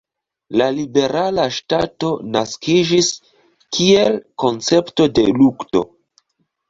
La Liberala Ŝtato naskiĝis kiel koncepto de lukto.